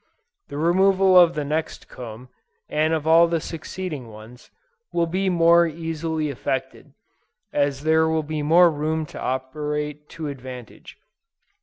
The removal of the next comb, and of all the succeeding ones, will be more easily effected, as there will be more room to operate to advantage.